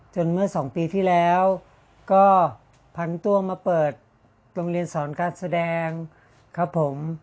เมื่อ๒ปีที่แล้วก็พันตัวมาเปิดโรงเรียนสอนการแสดงครับผม